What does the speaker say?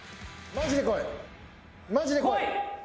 マジで来い！